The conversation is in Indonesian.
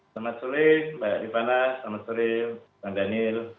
selamat sore mbak adi panas selamat sore bang daniel